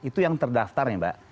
itu yang terdaftar ya mbak